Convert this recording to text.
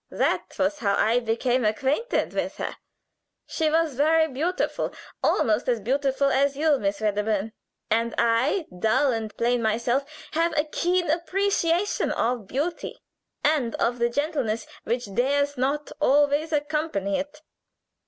That was how I became acquainted with her. She was very beautiful almost as beautiful as you, Miss Wedderburn, and I, dull and plain myself, have a keen appreciation of beauty and of the gentleness which does not always accompany it.